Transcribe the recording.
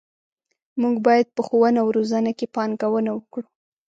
موږ باید په ښوونه او روزنه کې پانګونه وکړو.